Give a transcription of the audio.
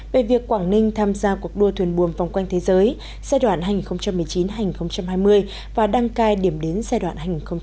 về việc quảng ninh tham gia cuộc đua thuyền buồm vòng quanh thế giới giai đoạn hai nghìn một mươi chín hai nghìn hai mươi và đăng cai điểm đến giai đoạn hai nghìn hai mươi hai nghìn hai mươi năm